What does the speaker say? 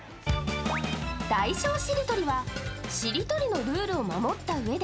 大小しりとりは、しりとりのルールを守ったうえで、